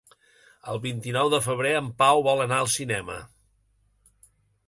El vint-i-nou de febrer en Pau vol anar al cinema.